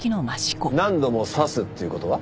何度も刺すっていう事は？